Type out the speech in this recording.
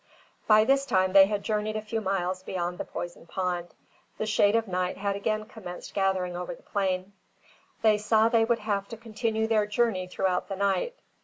By this time they had journeyed a few miles beyond the poisoned pond; the shade of night had again commenced gathering over the plain. They saw they would have to continue their journey throughout the night.